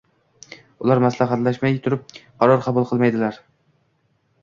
ular maslahatlashmay turib qaror qabul qilmaydilar.